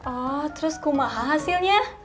oh terus kumaha hasilnya